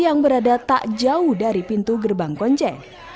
yang berada tak jauh dari pintu gerbang konjen